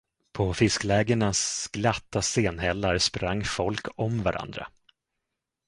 På fisklägenas glatta stenhällar sprang folk om varandra.